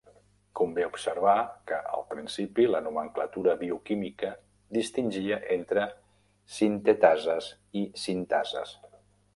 Convé observar que, al principi, la nomenclatura bioquímica distingia entre sintetases i sintases.